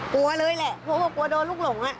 กลัวเลยแหละเพราะว่ากลัวโดนลูกหลง